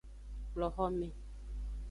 Kplo xome.